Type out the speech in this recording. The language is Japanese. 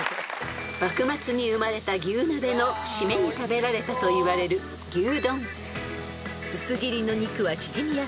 ［幕末に生まれた牛鍋の締めに食べられたといわれる牛丼］